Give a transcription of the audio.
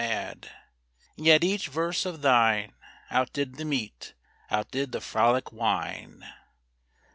And yet each verse of thine Out did the meat, out did the frolic wine.